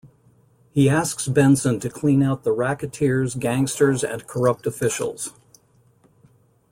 He asks Benson to clean out the racketeers, gangsters, and corrupt officials.